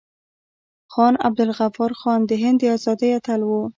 خان عبدالغفار خان د هند د ازادۍ اتل و.